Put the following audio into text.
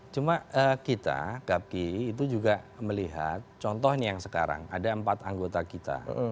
cuma kita gapki itu juga melihat contohnya yang sekarang ada empat anggota kita